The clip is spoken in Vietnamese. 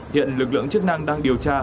hiện lực lượng chức năng đang điều tra